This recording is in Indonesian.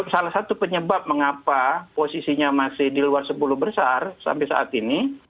salah satu penyebab mengapa posisinya masih di luar sepuluh besar sampai saat ini